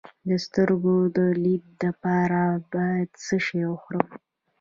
د سترګو د لید لپاره باید څه شی وخورم؟